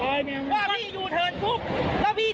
เมื่อกี้น้าเป็นข้าราชการทำตัวแบบนี้หรอ